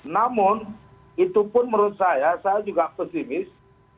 namun itu pun menurut saya saya juga pesimis